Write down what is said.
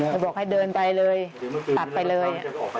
ตัดเถอะเดินไปเลยตัดไปเลย